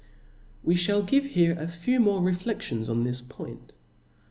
We fhall give here a few more refledlions on this point.